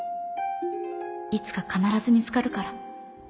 いつか必ず見つかるから。